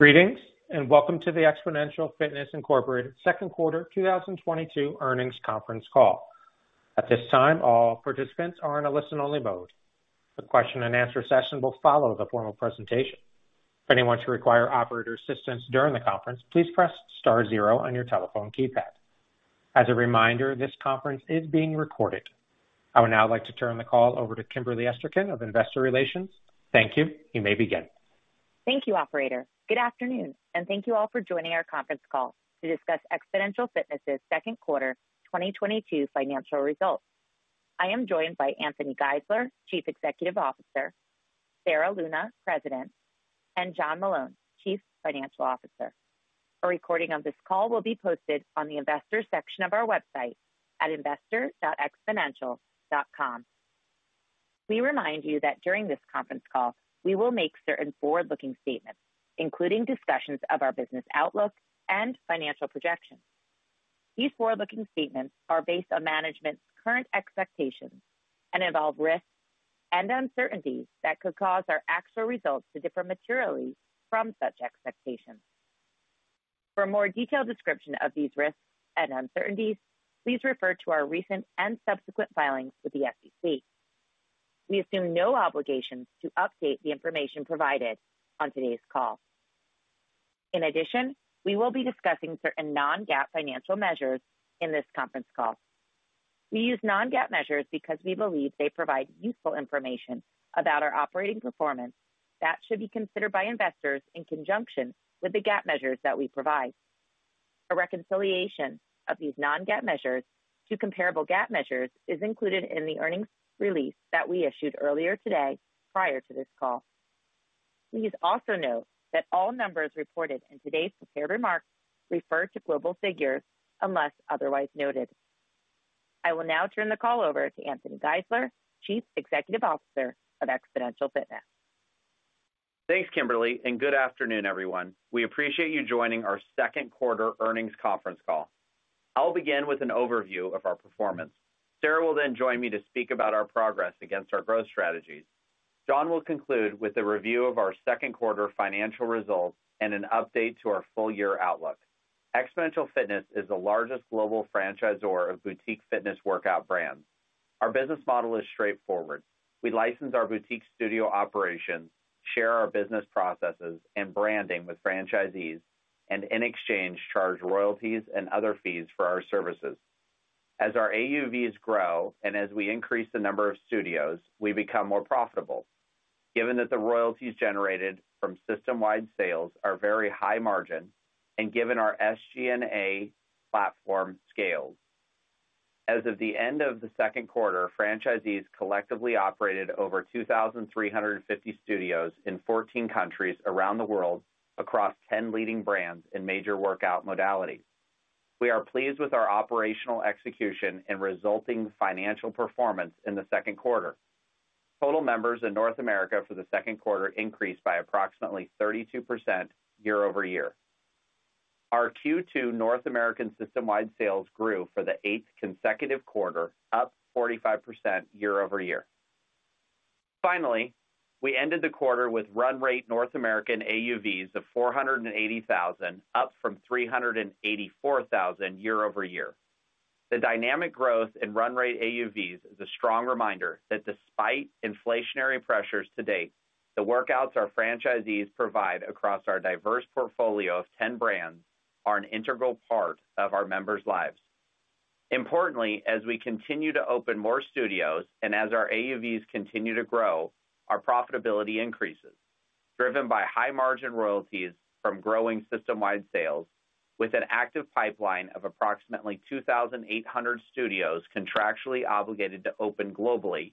Greetings, and welcome to the Xponential Fitness, Inc. second quarter 2022 earnings conference call. At this time, all participants are in a listen-only mode. The question-and-answer session will follow the formal presentation. If anyone should require operator assistance during the conference, please press star zero on your telephone keypad. As a reminder, this conference is being recorded. I would now like to turn the call over to Kimberly Esterkin of Investor Relations. Thank you. You may begin. Thank you, operator. Good afternoon and thank you all for joining our conference call to discuss Xponential Fitness' second quarter 2022 financial results. I am joined by Anthony Geisler, Chief Executive Officer, Sarah Luna, President, and John Meloun, Chief Financial Officer. A recording of this call will be posted on the investors section of our website at investor.xponential.com. We remind you that during this conference call, we will make certain forward-looking statements, including discussions of our business outlook and financial projections. These forward-looking statements are based on management's current expectations and involve risks and uncertainties that could cause our actual results to differ materially from such expectations. For a more detailed description of these risks and uncertainties, please refer to our recent and subsequent filings with the SEC. We assume no obligations to update the information provided on today's call. In addition, we will be discussing certain non-GAAP financial measures in this conference call. We use non-GAAP measures because we believe they provide useful information about our operating performance that should be considered by investors in conjunction with the GAAP measures that we provide. A reconciliation of these non-GAAP measures to comparable GAAP measures is included in the earnings release that we issued earlier today prior to this call. Please also note that all numbers reported in today's prepared remarks refer to global figures unless otherwise noted. I will now turn the call over to Anthony Geisler, Chief Executive Officer of Xponential Fitness. Thanks, Kimberly, and good afternoon, everyone. We appreciate you joining our second quarter earnings conference call. I'll begin with an overview of our performance. Sarah will then join me to speak about our progress against our growth strategies. John will conclude with a review of our second quarter financial results and an update to our full-year outlook. Xponential Fitness is the largest global franchisor of boutique fitness workout brands. Our business model is straightforward. We license our boutique studio operations, share our business processes and branding with franchisees, and in exchange, charge royalties and other fees for our services. As our AUVs grow, and as we increase the number of studios, we become more profitable. Given that the royalties generated from system-wide sales are very high margin and given our SG&A platform scales. As of the end of the second quarter, franchisees collectively operated over 2,350 studios in 14 countries around the world across 10 leading brands in major workout modalities. We are pleased with our operational execution and resulting financial performance in the second quarter. Total members in North America for the second quarter increased by approximately 32% year-over-year. Our Q2 North American system-wide sales grew for the eighth consecutive quarter, up 45% year-over-year. Finally, we ended the quarter with run rate North American AUVs of $480,000, up from $384,000 year-over-year. The dynamic growth in run rate AUVs is a strong reminder that despite inflationary pressures to date, the workouts our franchisees provide across our diverse portfolio of 10 brands are an integral part of our members' lives. Importantly, as we continue to open more studios and as our AUVs continue to grow, our profitability increases, driven by high-margin royalties from growing system-wide sales with an active pipeline of approximately 2,800 studios contractually obligated to open globally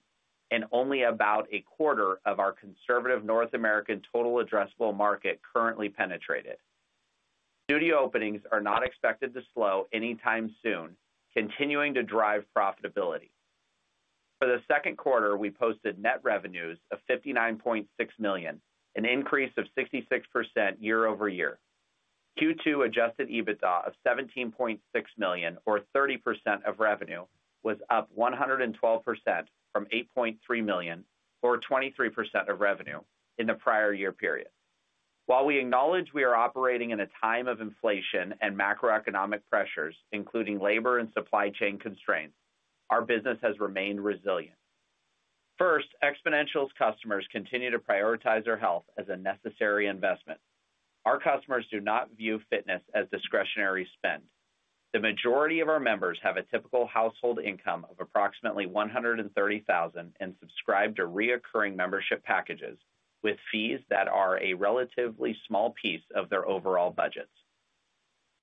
and only about a quarter of our conservative North American total addressable market currently penetrated. Studio openings are not expected to slow anytime soon, continuing to drive profitability. For the second quarter, we posted net revenues of $59.6 million, an increase of 66% year-over-year. Q2 Adjusted EBITDA of $17.6 million or 30% of revenue was up 112% from $8.3 million or 23% of revenue in the prior year period. While we acknowledge we are operating in a time of inflation and macroeconomic pressures, including labor and supply chain constraints, our business has remained resilient. First, Xponential's customers continue to prioritize their health as a necessary investment. Our customers do not view fitness as discretionary spend. The majority of our members have a typical household income of approximately $130,000 and subscribe to recurring membership packages with fees that are a relatively small piece of their overall budgets.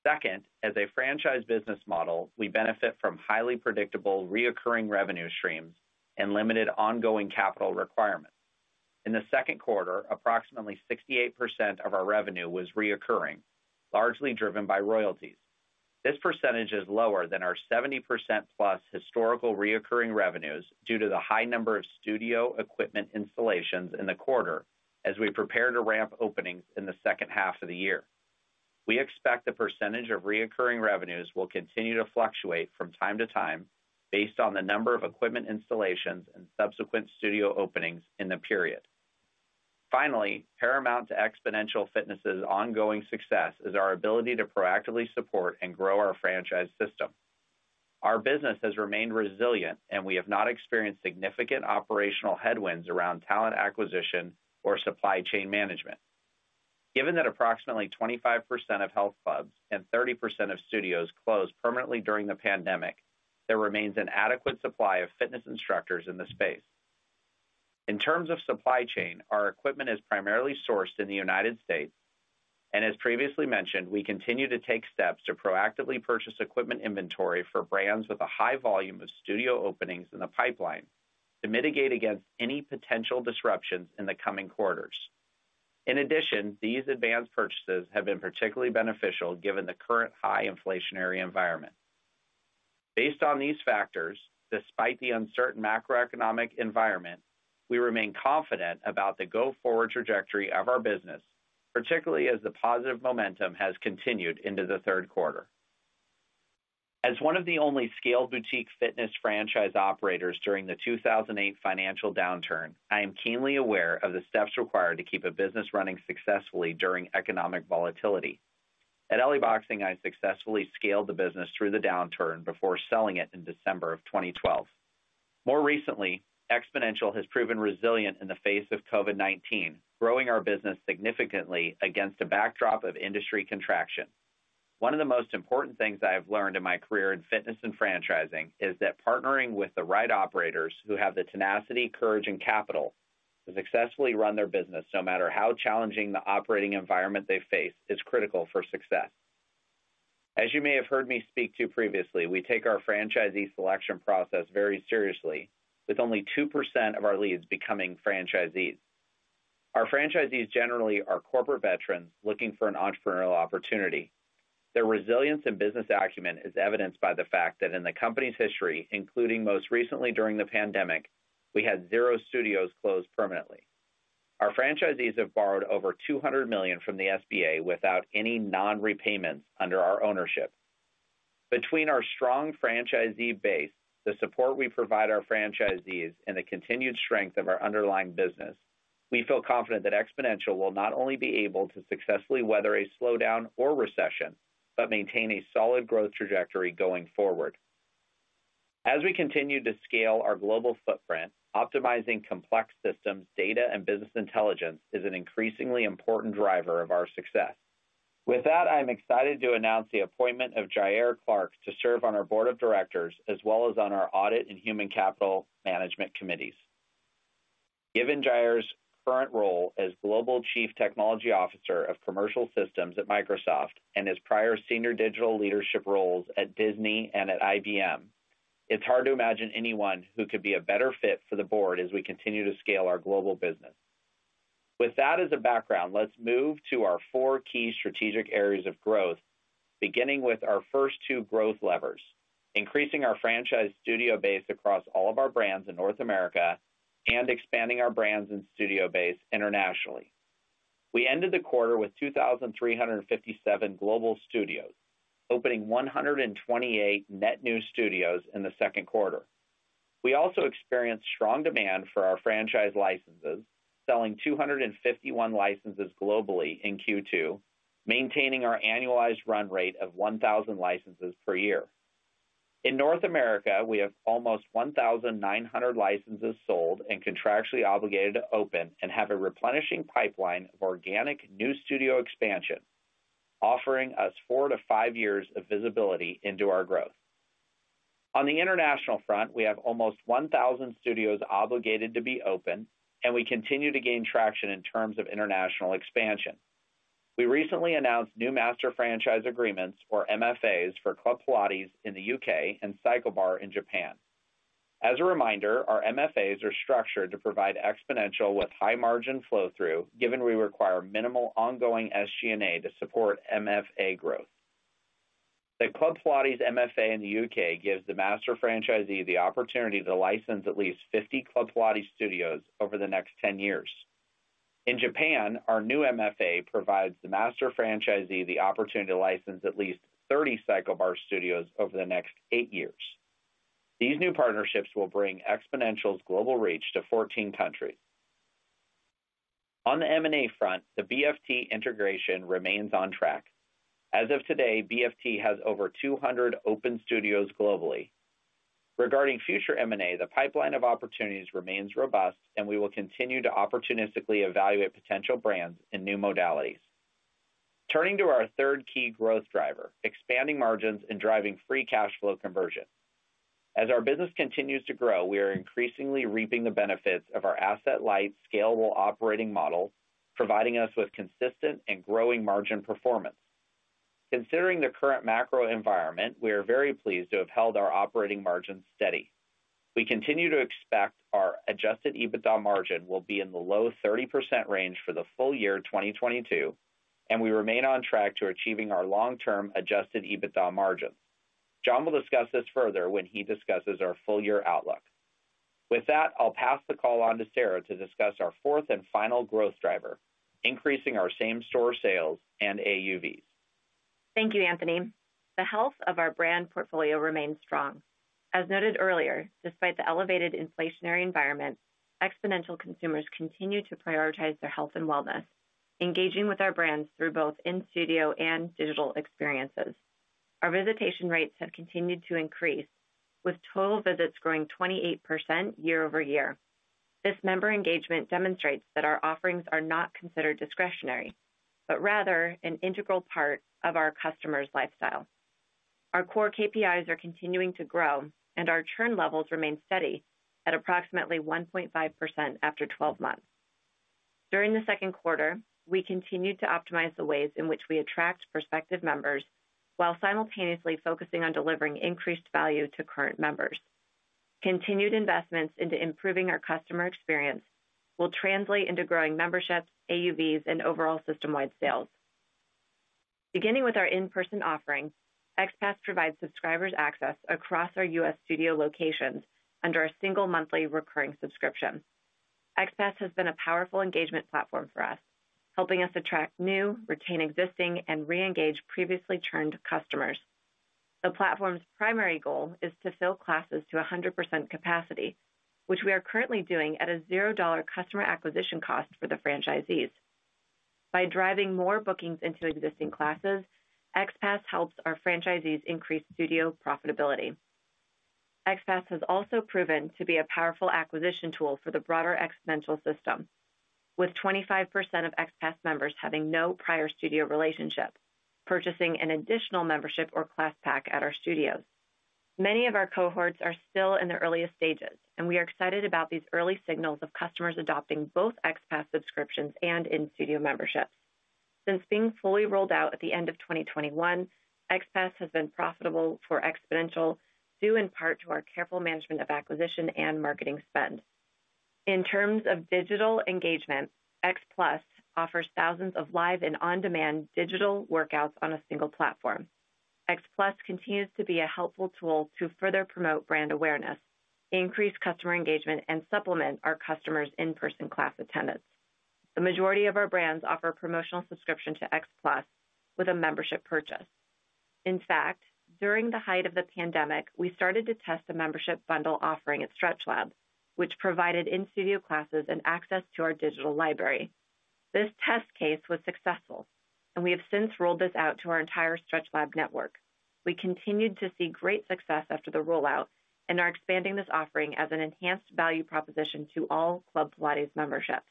Second, as a franchise business model, we benefit from highly predictable recurring revenue streams and limited ongoing capital requirements. In the second quarter, approximately 68% of our revenue was recurring, largely driven by royalties. This percentage is lower than our 70%+ historical recurring revenues due to the high number of studio equipment installations in the quarter as we prepare to ramp openings in the second half of the year. We expect the percentage of recurring revenues will continue to fluctuate from time to time based on the number of equipment installations and subsequent studio openings in the period. Finally, paramount to Xponential Fitness' ongoing success is our ability to proactively support and grow our franchise system. Our business has remained resilient, and we have not experienced significant operational headwinds around talent acquisition or supply chain management. Given that approximately 25% of health clubs and 30% of studios closed permanently during the pandemic, there remains an adequate supply of fitness instructors in the space. In terms of supply chain, our equipment is primarily sourced in the United States, and as previously mentioned, we continue to take steps to proactively purchase equipment inventory for brands with a high volume of studio openings in the pipeline to mitigate against any potential disruptions in the coming quarters. In addition, these advanced purchases have been particularly beneficial given the current high inflationary environment. Based on these factors, despite the uncertain macroeconomic environment, we remain confident about the go-forward trajectory of our business, particularly as the positive momentum has continued into the third quarter. As one of the only scaled boutique fitness franchise operators during the 2008 financial downturn, I am keenly aware of the steps required to keep a business running successfully during economic volatility. At LA Boxing, I successfully scaled the business through the downturn before selling it in December of 2012. More recently, Xponential has proven resilient in the face of COVID-19, growing our business significantly against a backdrop of industry contraction. One of the most important things I have learned in my career in fitness and franchising is that partnering with the right operators who have the tenacity, courage, and capital to successfully run their business, no matter how challenging the operating environment they face, is critical for success. As you may have heard me speak to previously, we take our franchisee selection process very seriously, with only 2% of our leads becoming franchisees. Our franchisees generally are corporate veterans looking for an entrepreneurial opportunity. Their resilience and business acumen is evidenced by the fact that in the company's history, including most recently during the pandemic, we had zero studios closed permanently. Our franchisees have borrowed over $200 million from the SBA without any non-repayments under our ownership. Between our strong franchisee base, the support we provide our franchisees, and the continued strength of our underlying business, we feel confident that Xponential will not only be able to successfully weather a slowdown or recession, but maintain a solid growth trajectory going forward. As we continue to scale our global footprint, optimizing complex systems, data, and business intelligence is an increasingly important driver of our success. With that, I am excited to announce the appointment of Jair Clarke to serve on our board of directors as well as on our audit and human capital management committees. Given Jair's current role as Global Chief Technology Officer of Commercial Systems at Microsoft and his prior senior digital leadership roles at Disney and at IBM, it's hard to imagine anyone who could be a better fit for the board as we continue to scale our global business. With that as a background, let's move to our four key strategic areas of growth, beginning with our first two growth levers, increasing our franchise studio base across all of our brands in North America and expanding our brands and studio base internationally. We ended the quarter with 2,357 global studios, opening 128 net new studios in the second quarter. We also experienced strong demand for our franchise licenses, selling 251 licenses globally in Q2, maintaining our annualized run rate of 1,000 licenses per year. In North America, we have almost 1,900 licenses sold and contractually obligated to open and have a replenishing pipeline of organic new studio expansion, offering us 4-5 years of visibility into our growth. On the international front, we have almost 1,000 studios obligated to be open, and we continue to gain traction in terms of international expansion. We recently announced new master franchise agreements or MFAs for Club Pilates in the U.K. and CycleBar in Japan. As a reminder, our MFAs are structured to provide Xponential with high-margin flow through, given we require minimal ongoing SG&A to support MFA growth. The Club Pilates MFA in the U.K. gives the master franchisee the opportunity to license at least 50 Club Pilates studios over the next 10 years. In Japan, our new MFA provides the master franchisee the opportunity to license at least 30 CycleBar studios over the next 8 years. These new partnerships will bring Xponential's global reach to 14 countries. On the M&A front, the BFT integration remains on track. As of today, BFT has over 200 open studios globally. Regarding future M&A, the pipeline of opportunities remains robust, and we will continue to opportunistically evaluate potential brands and new modalities. Turning to our third key growth driver, expanding margins and driving free cash flow conversion. As our business continues to grow, we are increasingly reaping the benefits of our asset-light, scalable operating model, providing us with consistent and growing margin performance. Considering the current macro environment, we are very pleased to have held our operating margin steady. We continue to expect our Adjusted EBITDA margin will be in the low 30% range for the full year 2022, and we remain on track to achieving our long-term Adjusted EBITDA margin. John will discuss this further when he discusses our full-year outlook. With that, I'll pass the call on to Sarah to discuss our fourth and final growth driver, increasing our same-store sales and AUVs. Thank you, Anthony. The health of our brand portfolio remains strong. As noted earlier, despite the elevated inflationary environment, Xponential consumers continue to prioritize their health and wellness, engaging with our brands through both in-studio and digital experiences. Our visitation rates have continued to increase, with total visits growing 28% year-over-year. This member engagement demonstrates that our offerings are not considered discretionary, but rather an integral part of our customers' lifestyle. Our core KPIs are continuing to grow, and our churn levels remain steady at approximately 1.5% after 12 months. During the second quarter, we continued to optimize the ways in which we attract prospective members while simultaneously focusing on delivering increased value to current members. Continued investments into improving our customer experience will translate into growing memberships, AUVs, and overall system-wide sales. Beginning with our in-person offerings, XPASS provides subscribers access across our US studio locations under a single monthly recurring subscription. XPASS has been a powerful engagement platform for us, helping us attract new, retain existing, and reengage previously churned customers. The platform's primary goal is to fill classes to 100% capacity, which we are currently doing at a zero-dollar customer acquisition cost for the franchisees. By driving more bookings into existing classes, XPASS helps our franchisees increase studio profitability. XPASS has also proven to be a powerful acquisition tool for the broader Xponential system, with 25% of XPASS members having no prior studio relationship, purchasing an additional membership or class pack at our studios. Many of our cohorts are still in their earliest stages, and we are excited about these early signals of customers adopting both XPASS subscriptions and in-studio memberships. Since being fully rolled out at the end of 2021, XPASS has been profitable for Xponential, due in part to our careful management of acquisition and marketing spend. In terms of digital engagement, XPLUS offers thousands of live and on-demand digital workouts on a single platform. XPLUS continues to be a helpful tool to further promote brand awareness, increase customer engagement, and supplement our customers' in-person class attendance. The majority of our brands offer promotional subscription to XPLUS with a membership purchase. In fact, during the height of the pandemic, we started to test a membership bundle offering at StretchLab, which provided in-studio classes and access to our digital library. This test case was successful, and we have since rolled this out to our entire StretchLab network. We continued to see great success after the rollout and are expanding this offering as an enhanced value proposition to all Club Pilates memberships.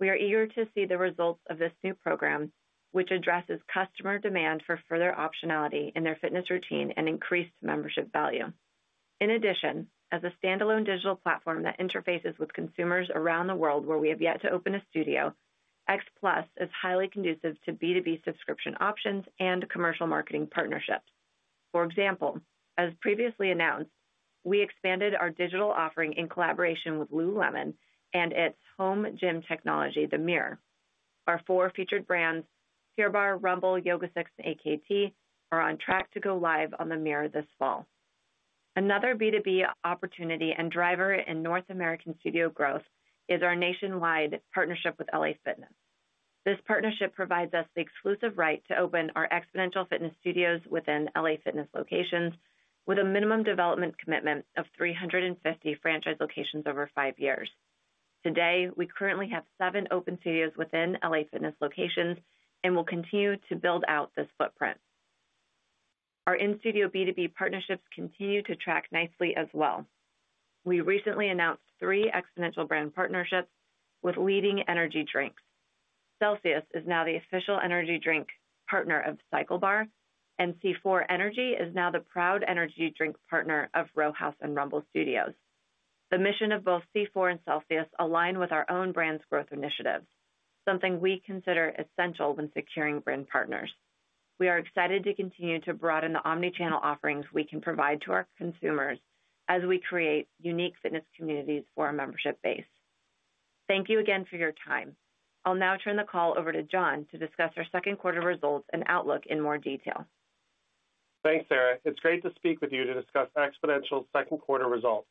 We are eager to see the results of this new program, which addresses customer demand for further optionality in their fitness routine and increased membership value. In addition, as a standalone digital platform that interfaces with consumers around the world where we have yet to open a studio, XPLUS is highly conducive to B2B subscription options and commercial marketing partnerships. For example, as previously announced, we expanded our digital offering in collaboration with Lululemon and its home gym technology, the MIRROR. Our four featured brands, Pure Barre, Rumble, YogaSix, and AKT, are on track to go live on the Mirror this fall. Another B2B opportunity and driver in North American studio growth is our nationwide partnership with LA Fitness. This partnership provides us the exclusive right to open our Xponential Fitness studios within LA Fitness locations with a minimum development commitment of 350 franchise locations over 5 years. Today, we currently have 7 open studios within LA Fitness locations and will continue to build out this footprint. Our in-studio B2B partnerships continue to track nicely as well. We recently announced three Xponential brand partnerships with leading energy drinks. Celsius is now the official energy drink partner of CycleBar, and C4 Energy is now the proud energy drink partner of Row House and Rumble Studios. The mission of both C4 and Celsius align with our own brand's growth initiatives, something we consider essential when securing brand partners. We are excited to continue to broaden the omni-channel offerings we can provide to our consumers as we create unique fitness communities for our membership base. Thank you again for your time. I'll now turn the call over to John to discuss our second quarter results and outlook in more detail. Thanks, Sarah. It's great to speak with you to discuss Xponential's second quarter results.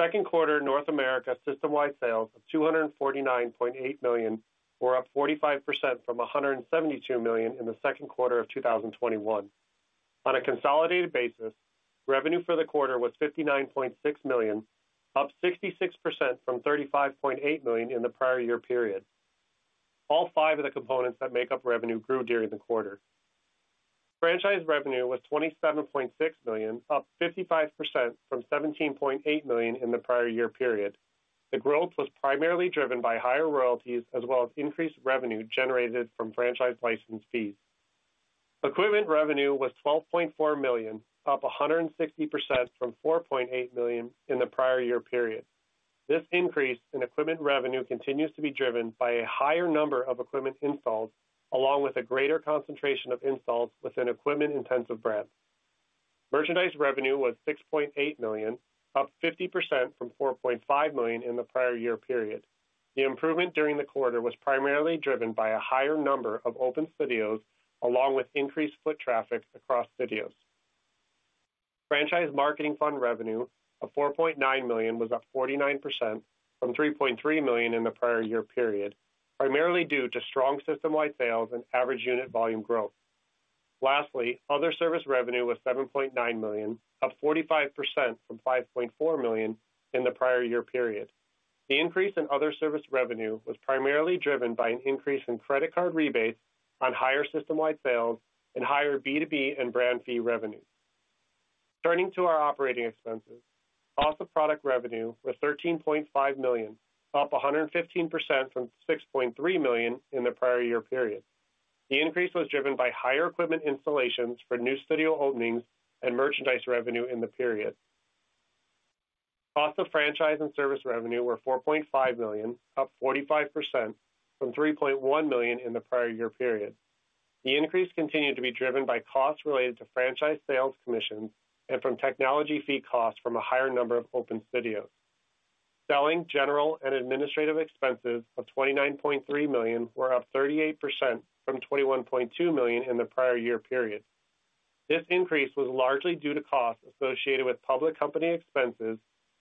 Second quarter North America system-wide sales of $249.8 million were up 45% from $172 million in the second quarter of 2021. On a consolidated basis, revenue for the quarter was $59.6 million, up 66% from $35.8 million in the prior year period. All five of the components that make up revenue grew during the quarter. Franchise revenue was $27.6 million, up 55% from $17.8 million in the prior year period. The growth was primarily driven by higher royalties as well as increased revenue generated from franchise license fees. Equipment revenue was $12.4 million, up 160% from $4.8 million in the prior year period. This increase in equipment revenue continues to be driven by a higher number of equipment installs, along with a greater concentration of installs within equipment-intensive brands. Merchandise revenue was $6.8 million, up 50% from $4.5 million in the prior year period. The improvement during the quarter was primarily driven by a higher number of open studios, along with increased foot traffic across studios. Franchise marketing fund revenue of $4.9 million was up 49% from $3.3 million in the prior year period, primarily due to strong system-wide sales and average unit volume growth. Lastly, other service revenue was $7.9 million, up 45% from $5.4 million in the prior year period. The increase in other service revenue was primarily driven by an increase in credit card rebates on higher system-wide sales and higher B2B and brand fee revenue. Turning to our operating expenses. Cost of product revenue was $13.5 million, up 115% from $6.3 million in the prior year period. The increase was driven by higher equipment installations for new studio openings and merchandise revenue in the period. Cost of franchise and service revenue were $4.5 million, up 45% from $3.1 million in the prior year period. The increase continued to be driven by costs related to franchise sales commissions and from technology fee costs from a higher number of open studios. Selling, general, and administrative expenses of $29.3 million were up 38% from $21.2 million in the prior year period. This increase was largely due to costs associated with public company expenses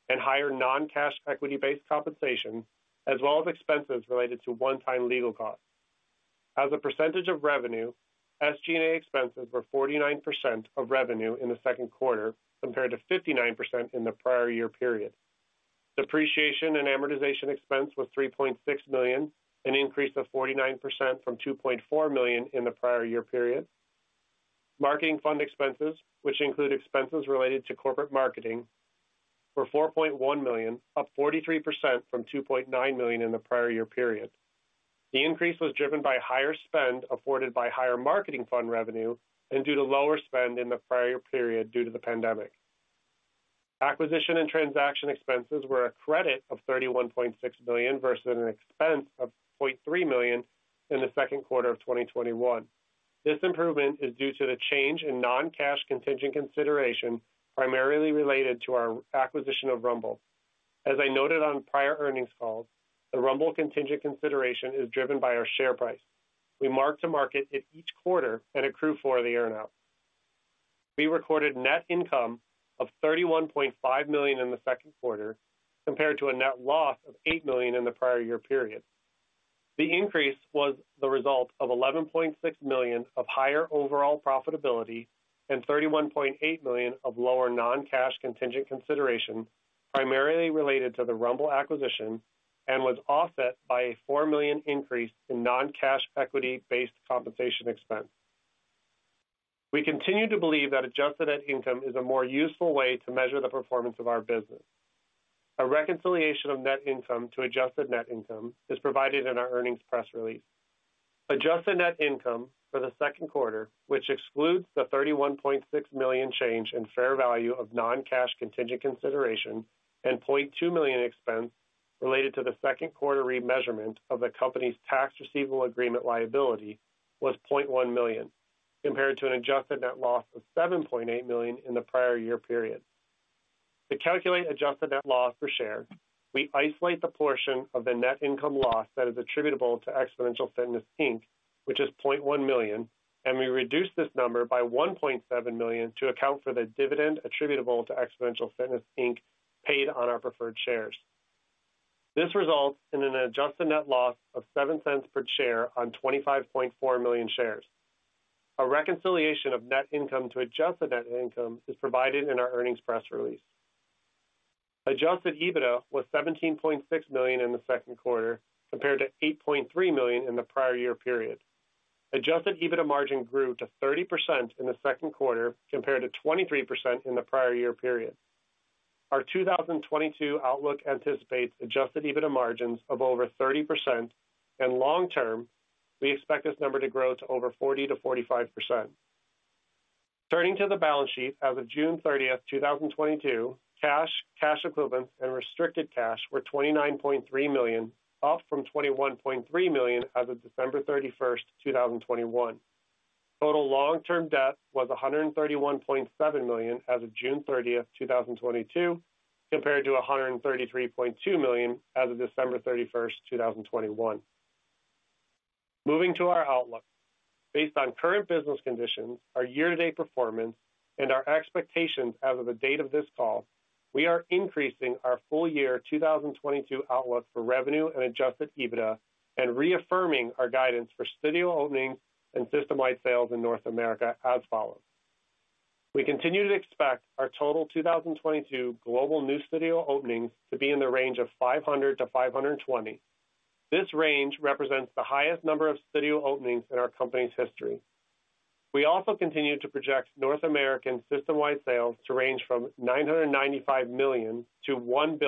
and higher non-cash equity-based compensation, as well as expenses related to one-time legal costs. As a percentage of revenue, SG&A expenses were 49% of revenue in the second quarter, compared to 59% in the prior year period. Depreciation and amortization expense was $3.6 million, an increase of 49% from $2.4 million in the prior year period. Marketing fund expenses, which include expenses related to corporate marketing, were $4.1 million, up 43% from $2.9 million in the prior year period. The increase was driven by higher spend afforded by higher marketing fund revenue and due to lower spend in the prior period due to the pandemic. Acquisition and transaction expenses were a credit of $31.6 million versus an expense of $0.3 million in the second quarter of 2021. This improvement is due to the change in non-cash contingent consideration, primarily related to our acquisition of Rumble. As I noted on prior earnings calls, the Rumble contingent consideration is driven by our share price. We mark to market it each quarter and accrue for the earn-out. We recorded net income of $31.5 million in the second quarter, compared to a net loss of $8 million in the prior year period. The increase was the result of $11.6 million of higher overall profitability and $31.8 million of lower non-cash contingent consideration, primarily related to the Rumble acquisition, and was offset by a $4 million increase in non-cash equity-based compensation expense. We continue to believe that adjusted net income is a more useful way to measure the performance of our business. A reconciliation of net income to adjusted net income is provided in our earnings press release. Adjusted net income for the second quarter, which excludes the $31.6 million change in fair value of non-cash contingent consideration and $0.2 million expense related to the second quarter remeasurement of the company's tax receivable agreement liability, was $0.1 million, compared to an adjusted net loss of $7.8 million in the prior year period. To calculate adjusted net loss per share, we isolate the portion of the net income loss that is attributable to Xponential Fitness, Inc., which is $0.1 million, and we reduce this number by $1.7 million to account for the dividend attributable to Xponential Fitness, Inc. paid on our preferred shares. This results in an adjusted net loss of $0.07 per share on 25.4 million shares. A reconciliation of net income to adjusted net income is provided in our earnings press release. Adjusted EBITDA was $17.6 million in the second quarter, compared to $8.3 million in the prior year period. Adjusted EBITDA margin grew to 30% in the second quarter, compared to 23% in the prior year period. Our 2022 outlook anticipates Adjusted EBITDA margins of over 30%, and long-term, we expect this number to grow to over 40% to 45%. Turning to the balance sheet as of June 30, 2022, cash equivalents, and restricted cash were $29.3 million, up from $21.3 million as of December 31, 2021. Total long-term debt was $131.7 million as of June 30, 2022, compared to $133.2 million as of December 31, 2021. Moving to our outlook. Based on current business conditions, our year-to-date performance, and our expectations as of the date of this call, we are increasing our full year 2022 outlook for revenue and Adjusted EBITDA and reaffirming our guidance for studio openings and system-wide sales in North America as follows. We continue to expect our total 2022 global new studio openings to be in the range of 500-520. This range represents the highest number of studio openings in our company's history. We also continue to project North American system-wide sales to range from $995 million to $1.005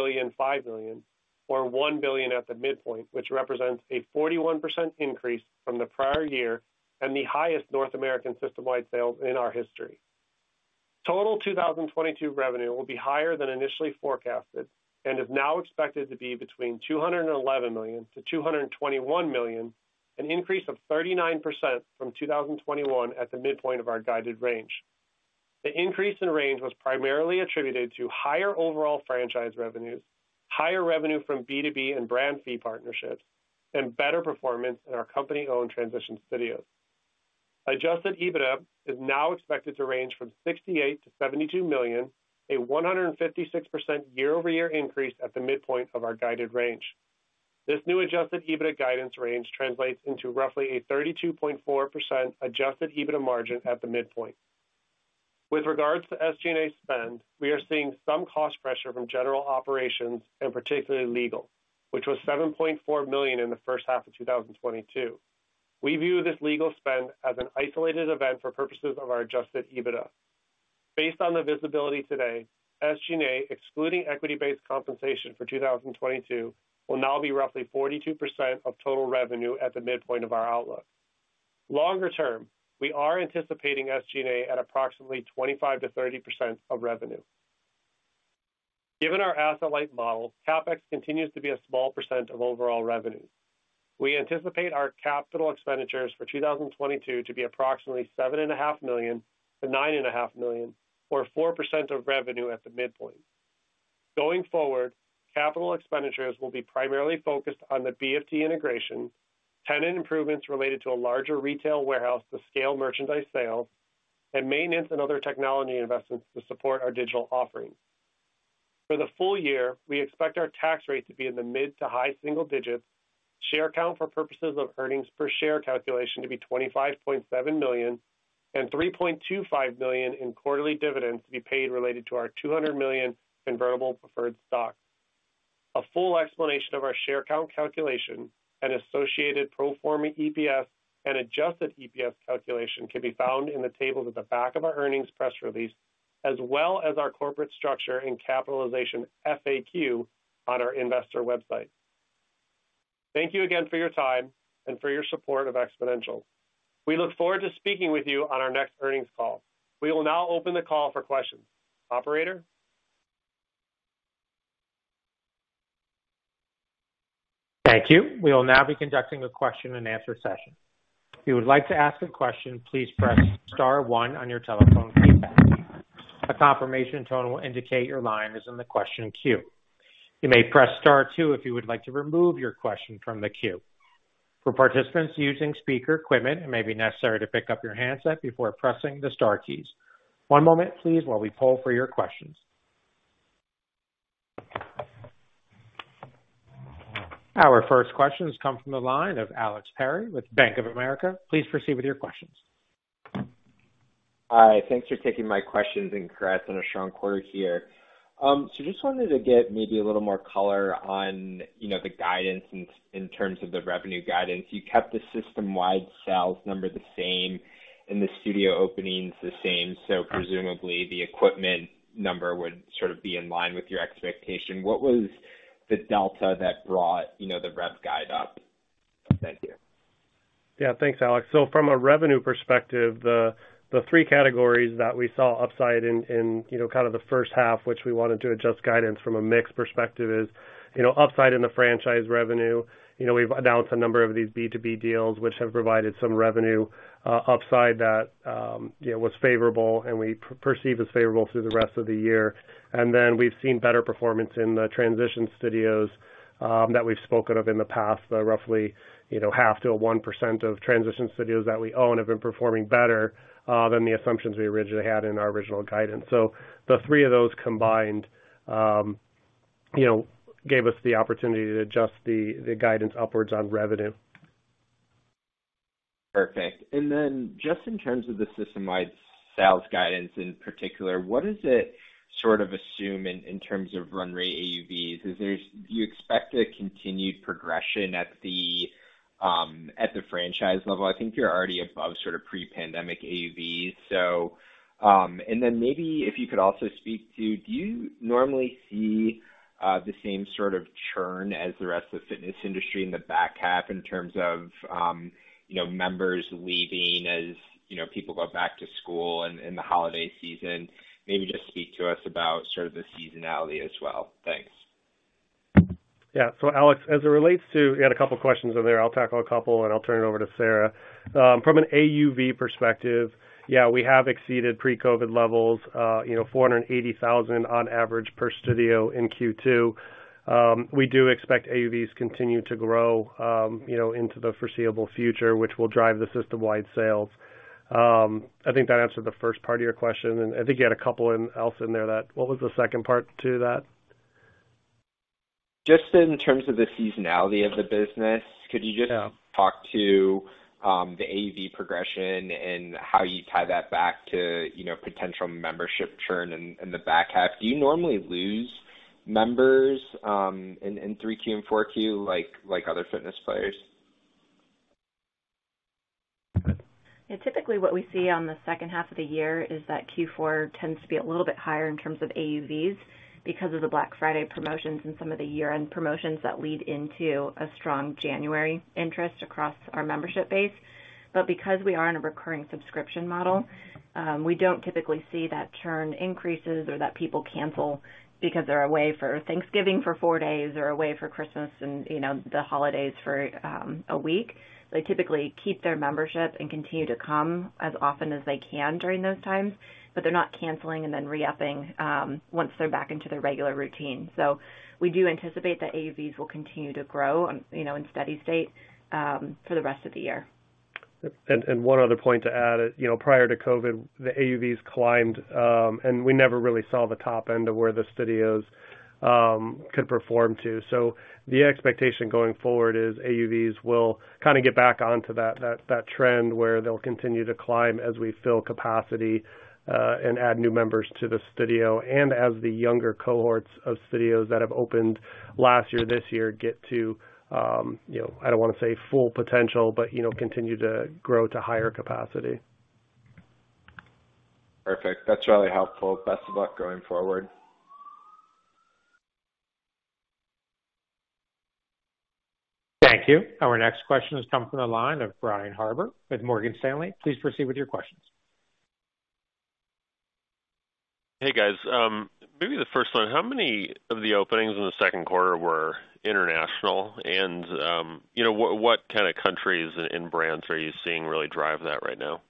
billion, or $1 billion at the midpoint, which represents a 41% increase from the prior year and the highest North American system-wide sales in our history. Total 2022 revenue will be higher than initially forecasted and is now expected to be between $211 million and $221 million, an increase of 39% from 2021 at the midpoint of our guided range. The increase in range was primarily attributed to higher overall franchise revenues, higher revenue from B2B and brand fee partnerships, and better performance in our company-owned transition studios. Adjusted EBITDA is now expected to range from $68 million-$72 million, a 156% year-over-year increase at the midpoint of our guided range. This new Adjusted EBITDA guidance range translates into roughly a 32.4% Adjusted EBITDA margin at the midpoint. With regards to SG&A spend, we are seeing some cost pressure from general operations and particularly legal, which was $7.4 million in the first half of 2022. We view this legal spend as an isolated event for purposes of our Adjusted EBITDA. Based on the visibility today, SG&A, excluding equity-based compensation for 2022, will now be roughly 42% of total revenue at the midpoint of our outlook. Longer term, we are anticipating SG&A at approximately 25%-30% of revenue. Given our asset-light model, CapEx continues to be a small percent of overall revenue. We anticipate our capital expenditures for 2022 to be approximately $7.5 million-$9.5 million, or 4% of revenue at the midpoint. Going forward, capital expenditures will be primarily focused on the BFT integration, tenant improvements related to a larger retail warehouse to scale merchandise sales, and maintenance and other technology investments to support our digital offerings. For the full year, we expect our tax rate to be in the mid- to high-single digits%, share count for purposes of earnings per share calculation to be 25.7 million, and $3.25 million in quarterly dividends to be paid related to our $200 million convertible preferred stock. A full explanation of our share count calculation and associated pro forma EPS and Adjusted EPS calculation can be found in the table at the back of our earnings press release, as well as our corporate structure and capitalization FAQ on our investor website. Thank you again for your time and for your support of Xponential Fitness. We look forward to speaking with you on our next earnings call. We will now open the call for questions. Operator? Thank you. We will now be conducting a question-and-answer session. If you would like to ask a question, please press star one on your telephone keypad. A confirmation tone will indicate your line is in the question queue. You may press star two if you would like to remove your question from the queue. For participants using speaker equipment, it may be necessary to pick up your handset before pressing the star keys. One moment, please, while we poll for your questions. Our first question has come from the line of Alex Perry with Bank of America. Please proceed with your questions. Hi. Thanks for taking my questions and congrats on a strong quarter here. Just wanted to get maybe a little more color on, you know, the guidance in terms of the revenue guidance. You kept the system-wide sales number the same and the studio openings the same, so presumably the equipment number would sort of be in line with your expectation. What was the delta that brought, you know, the rev guide up? Thank you. Yeah. Thanks, Alex. So, from a revenue perspective, the three categories that we saw upside in, you know, kind of the first half, which we wanted to adjust guidance from a mix perspective is, you know, upside in the franchise revenue. You know, we've announced a number of these B2B deals which have provided some revenue upside that, you know, was favorable and we perceive as favorable through the rest of the year. We've seen better performance in the transition studios that we've spoken of in the past. Roughly, you know, 0.5%-1% of transition studios that we own have been performing better than the assumptions we originally had in our original guidance. The three of those combined, you know, gave us the opportunity to adjust the guidance upwards on revenue. Perfect. Just in terms of the system-wide sales guidance in particular, what does it sort of assume in terms of run rate AUVs? Do you expect a continued progression at the franchise level? I think you're already above sort of pre-pandemic AUVs. Maybe if you could also speak to, do you normally see the same sort of churn as the rest of the fitness industry in the back half in terms of, you know, members leaving as, you know, people go back to school and in the holiday season? Maybe just speak to us about sort of the seasonality as well. Thanks. Alex Perry, as it relates to, you had a couple questions in there. I'll tackle a couple, and I'll turn it over to Sarah Luna. From an AUV perspective, yeah, we have exceeded pre-COVID levels, you know, $480,000 on average per studio in Q2. We do expect AUVs to continue to grow, you know, into the foreseeable future, which will drive the system-wide sales. I think that answered the first part of your question, and I think you had a couple else in there that. What was the second part to that? Just in terms of the seasonality of the business, could you just? Yeah. Talk to the AUV progression and how you tie that back to, you know, potential membership churn in the back half? Do you normally lose members in 3Q and 4Q like other fitness players? Go ahead. Yeah. Typically, what we see on the second half of the year is that Q4 tends to be a little bit higher in terms of AUVs because of the Black Friday promotions and some of the year-end promotions that lead into a strong January interest across our membership base. Because we are in a recurring subscription model, we don't typically see that churn increases or that people cancel because they're away for Thanksgiving for four days or away for Christmas and, you know, the holidays for a week. They typically keep their membership and continue to come as often as they can during those times, but they're not canceling and then re-upping once they're back into their regular routine. We do anticipate that AUVs will continue to grow, you know, in steady state, for the rest of the year. One other point to add, you know, prior to COVID, the AUVs climbed, and we never really saw the top end of where the studios could perform to. The expectation going forward is AUVs will kind of get back onto that trend where they'll continue to climb as we fill capacity and add new members to the studio. As the younger cohorts of studios that have opened last year, this year get to, you know, I don't wanna say full potential, but, you know, continue to grow to higher capacity. Perfect. That's really helpful. Best of luck going forward. Thank you. Our next question has come from the line of Brian Harbour with Morgan Stanley. Please proceed with your questions. Hey, guys. Maybe the first one, how many of the openings in the second quarter were international? You know, what kind of countries and brands are you seeing really drive that right now?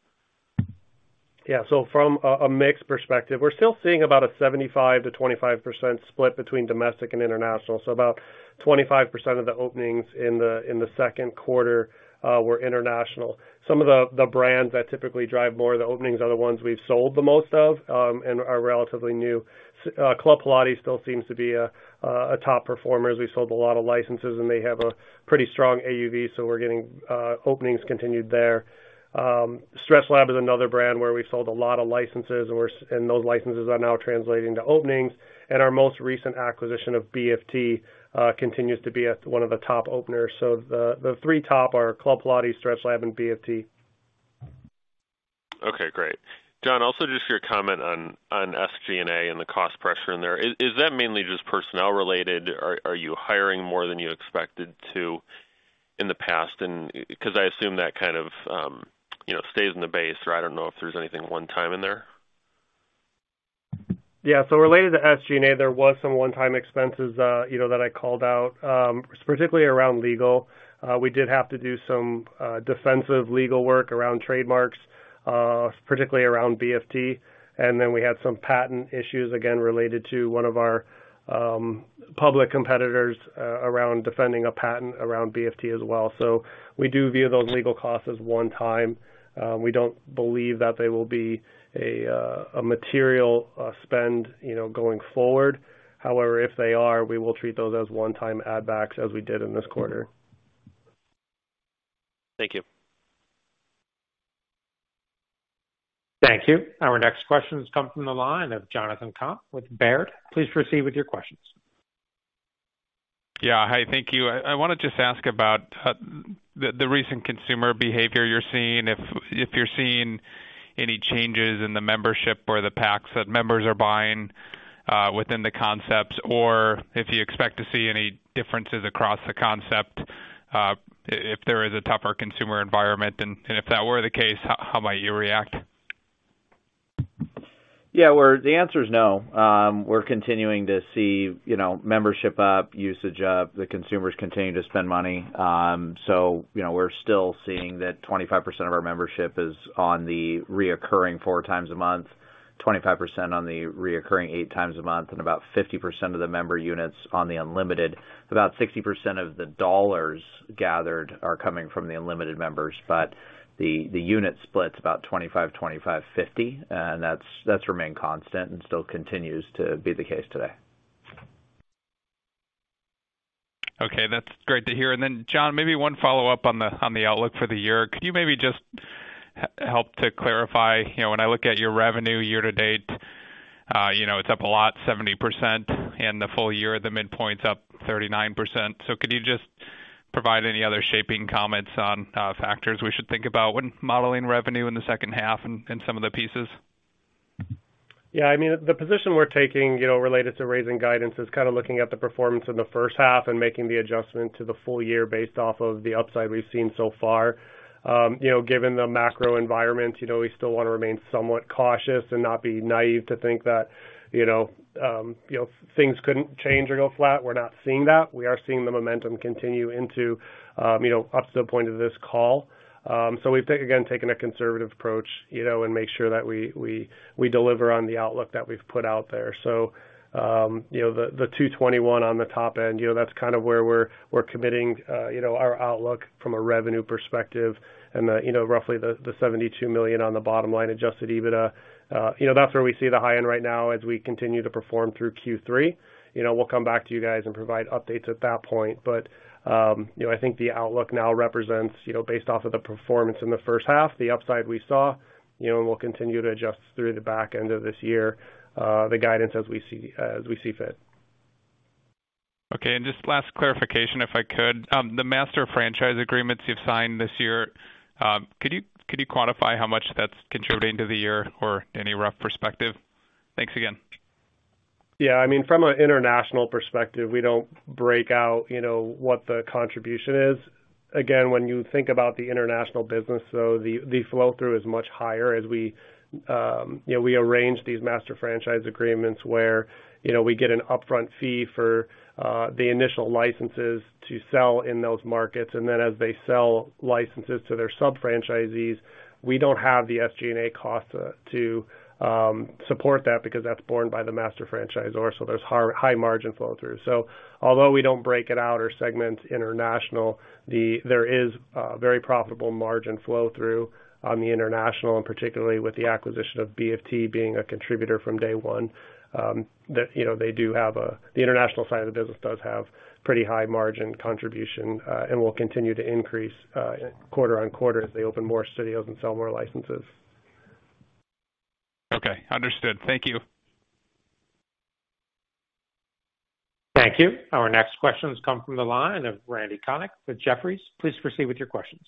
Yeah. From a mix perspective, we're still seeing about a 75%-25% split between domestic and international. About 25% of the openings in the second quarter were international. Some of the brands that typically drive more of the openings are the ones we've sold the most of and are relatively new. Club Pilates still seems to be a top performer, as we've sold a lot of licenses, and they have a pretty strong AUV, so we're getting openings continued there. StretchLab is another brand where we've sold a lot of licenses and those licenses are now translating to openings. Our most recent acquisition of BFT continues to be one of the top openers. The three top are Club Pilates, StretchLab, and BFT. Okay, great. John, also just your comment on SG&A and the cost pressure in there. Is that mainly just personnel related? Are you hiring more than you expected to in the past? 'Cause I assume that kind of, you know, stays in the base, or I don't know if there's anything one-time in there. Yeah. Related to SG&A, there was some one-time expenses, you know, that I called out, particularly around legal. We did have to do some defensive legal work around trademarks, particularly around BFT. Then we had some patent issues, again, related to one of our public competitors, around defending a patent around BFT as well. We do view those legal costs as one time. We don't believe that they will be a material spend, you know, going forward. However, if they are, we will treat those as one-time add backs as we did in this quarter. Thank you. Thank you. Our next question has come from the line of Jonathan Komp with Baird. Please proceed with your questions. Yeah. Hi, thank you. I wanna just ask about the recent consumer behavior you're seeing, if you're seeing any changes in the membership or the packs that members are buying, within the concepts or if you expect to see any differences across the concept, if there is a tougher consumer environment. If that were the case, how might you react? The answer is no. We're continuing to see, you know, membership up, usage up. The consumers continue to spend money. You know, we're still seeing that 25% of our membership is on the recurring 4x a month, 25% on the recurring 8x a month, and about 50% of the member units on the unlimited. About 60% of the dollars gathered are coming from the unlimited members, but the unit split's about 25/25/50, and that's remained constant and still continues to be the case today. Okay, that's great to hear. Then John, maybe one follow-up on the outlook for the year. Could you maybe just help to clarify, you know, when I look at your revenue year to date, you know, it's up a lot, 70%, and the full year, the midpoint's up 39%. So could you just provide any other shaping comments on factors we should think about when modeling revenue in the second half and some of the pieces? Yeah. I mean, the position we're taking, you know, related to raising guidance is kind of looking at the performance in the first half and making the adjustment to the full year based off of the upside we've seen so far. You know, given the macro environment, you know, we still wanna remain somewhat cautious and not be naive to think that, you know, things couldn't change or go flat. We're not seeing that. We are seeing the momentum continue into, you know, up to the point of this call. So, we've taken, again, a conservative approach, you know, and make sure that we deliver on the outlook that we've put out there. You know, the $221 million on the top end, you know, that's kind of where we're committing our outlook from a revenue perspective. You know, roughly the $72 million on the bottom-line Adjusted EBITDA, you know, that's where we see the high end right now as we continue to perform through Q3. You know, we'll come back to you guys and provide updates at that point. You know, I think the outlook now represents, you know, based off of the performance in the first half, the upside we saw, you know, and we'll continue to adjust through the back end of this year, the guidance as we see fit. Okay. Just last clarification, if I could. The master franchise agreements you've signed this year, could you quantify how much that's contributing to the year or any rough perspective? Thanks again. Yeah. I mean, from an international perspective, we don't break out, you know, what the contribution is. Again, when you think about the international business, the flow-through is much higher as we, you know, we arrange these master franchise agreements where, you know, we get an upfront fee for the initial licenses to sell in those markets. Then as they sell licenses to their sub-franchisees, we don't have the SG&A cost to support that because that's borne by the master franchisor. There's high margin flow-through. Although we don't break it out or segment international, there is a very profitable margin flow-through on the international, and particularly with the acquisition of BFT being a contributor from day one, that, you know, the international side of the business does have pretty high margin contribution, and will continue to increase quarter-over-quarter as they open more studios and sell more licenses. Okay. Understood. Thank you. Thank you. Our next question has come from the line of Randy Konik with Jefferies. Please proceed with your questions.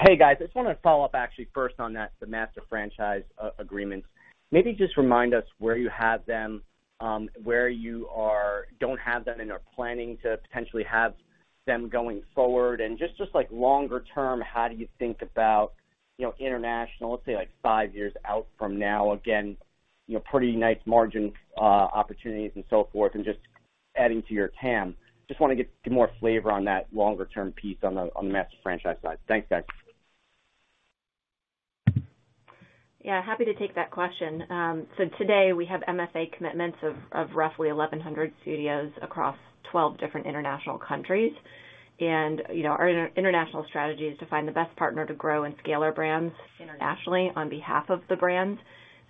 Hey, guys. I just wanna follow up actually first on that, the master franchise agreements. Maybe just remind us where you have them, where you don't have them and are planning to potentially have them going forward. Just like longer term, how do you think about, you know, international, let's say, like five years out from now, again, you know, pretty nice margin opportunities and so forth, and just adding to your TAM. Just wanna get more flavor on that longer-term piece on the master franchise side. Thanks, guys. Yeah, happy to take that question. Today, we have MFA commitments of roughly 1,100 studios across 12 different international countries. You know, our international strategy is to find the best partner to grow and scale our brands internationally on behalf of the brands.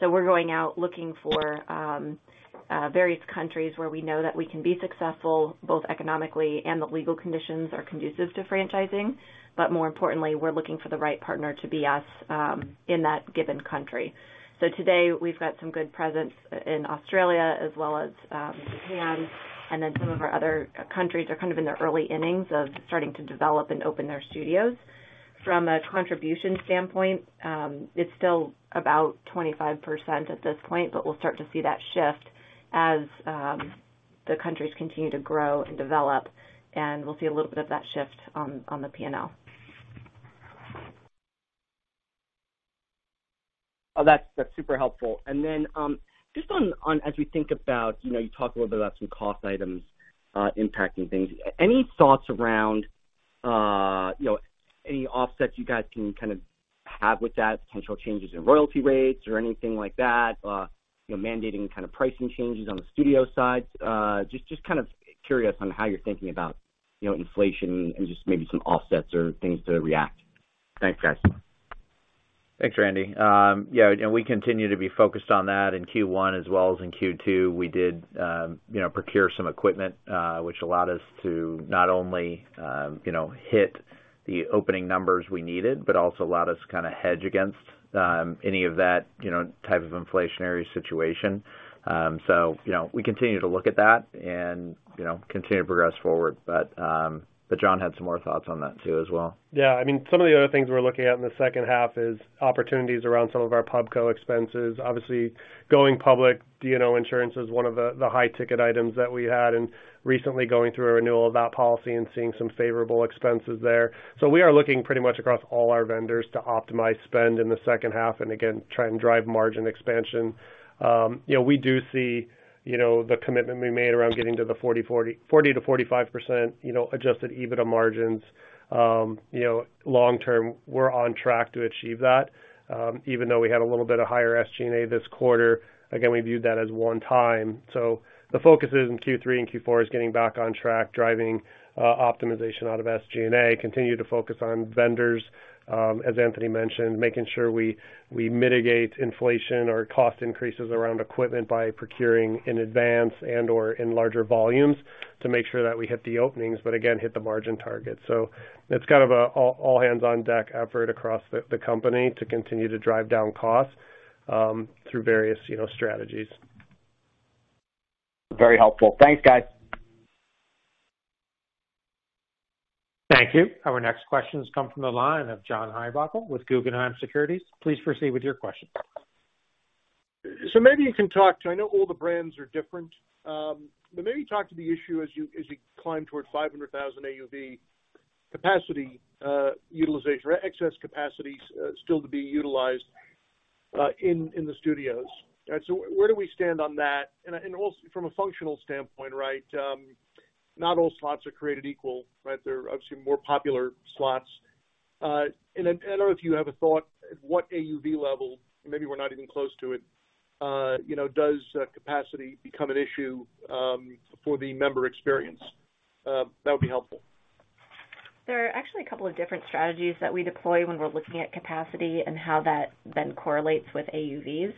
We're going out looking for various countries where we know that we can be successful, both economically and the legal conditions are conducive to franchising. More importantly, we're looking for the right partner to be us in that given country. Today, we've got some good presence in Australia as well as Japan, and then some of our other countries are kind of in their early innings of starting to develop and open their studios. From a contribution standpoint, it's still about 25% at this point, but we'll start to see that shift as the countries continue to grow and develop, and we'll see a little bit of that shift on the P&L. Oh, that's super helpful. Just on as we think about, you know, you talked a little bit about some cost items impacting things. Any thoughts around, you know, any offsets you guys can kind of have with that, potential changes in royalty rates or anything like that, you know, mandating kind of pricing changes on the studio side? Just kind of curious on how you're thinking about, you know, inflation and just maybe some offsets or things to react. Thanks, guys. Thanks, Randy. We continue to be focused on that in Q1 as well as in Q2. We did, you know, procure some equipment, which allowed us to not only, you know, hit the opening numbers we needed, but also allowed us to kinda hedge against, any of that, you know, type of inflationary situation. You know, we continue to look at that and, you know, continue to progress forward. John had some more thoughts on that too as well. Yeah. I mean, some of the other things we're looking at in the second half is opportunities around some of our PubCo expenses. Obviously, going public, D&O insurance is one of the high-ticket items that we had, and recently going through a renewal of that policy and seeing some favorable expenses there. We are looking pretty much across all our vendors to optimize spend in the second half, and again, try and drive margin expansion. You know, we do see, you know, the commitment we made around getting to the 40%-45%, you know, Adjusted EBITDA margins. You know, long term, we're on track to achieve that. Even though we had a little bit of higher SG&A this quarter, again, we viewed that as one time. The focus is in Q3 and Q4 is getting back on track, driving optimization out of SG&A, continue to focus on vendors, as Anthony mentioned, making sure we mitigate inflation or cost increases around equipment by procuring in advance and/or in larger volumes to make sure that we hit the openings, but again, hit the margin target. It's kind of a all hands-on deck effort across the company to continue to drive down costs through various, you know, strategies. Very helpful. Thanks, guys. Thank you. Our next question has come from the line of John Heinbockel with Guggenheim Securities. Please proceed with your question. I know all the brands are different but maybe talk to the issue as you climb toward 500,000 AUV capacity, utilization, excess capacities still to be utilized in the studios. Where do we stand on that? Also from a functional standpoint, right, not all slots are created equal, right? There are obviously more popular slots. Then I don't know if you have a thought at what AUV level, maybe we're not even close to it, you know, does capacity become an issue for the member experience? That would be helpful. There are actually a couple of different strategies that we deploy when we're looking at capacity and how that then correlates with AUVs.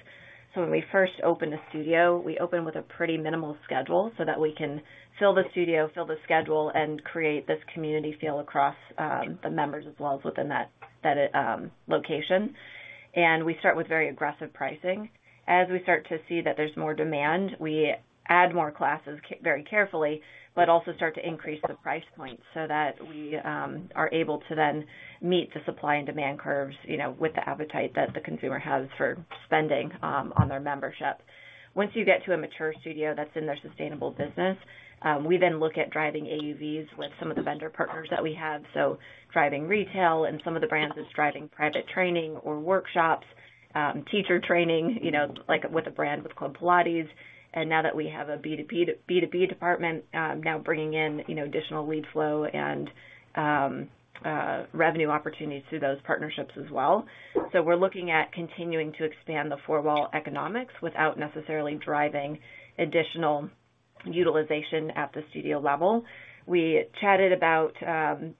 When we first open a studio, we open with a pretty minimal schedule so that we can fill the studio, fill the schedule, and create this community feel across the members as well as within that location. We start with very aggressive pricing. As we start to see that there's more demand, we add more classes very carefully but also start to increase the price point so that we are able to then meet the supply and demand curves, you know, with the appetite that the consumer has for spending on their membership. Once you get to a mature studio that's in their sustainable business, we then look at driving AUVs with some of the vendor partners that we have. Driving retail and some of the brands is driving private training or workshops, teacher training, you know, like with a brand with Club Pilates. Now that we have a B2B department, now bringing in, you know, additional lead flow and revenue opportunities through those partnerships as well. We're looking at continuing to expand the four-wall economics without necessarily driving additional utilization at the studio level. We chatted about